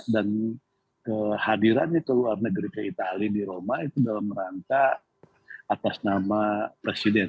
dan kehadiran di luar negeri ke itali di roma itu dalam rangka atas nama presiden